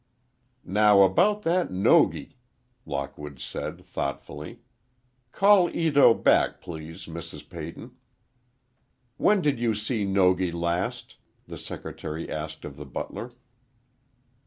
"Now about that Nogi," Lockwood said, thoughtfully. "Call Ito back, please, Mrs. Peyton." "When did you see Nogi last?" the secretary asked of the butler.